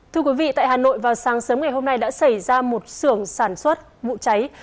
thưa quý vị tại hà nội vào sáng sớm ngày hôm nay đã xảy ra một sưởng sản xuất vụ cháy